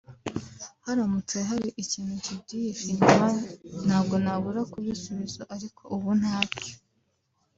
haramutse hari ikintu kibyihishe inyuma ntago nabura kubisubiza ariko ubu ntacyo